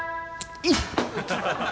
いっ！